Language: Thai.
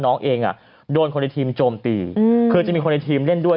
น้องเองอ่ะโดนคนในทีมโจมตีคือจะมีคนในทีมเล่นด้วย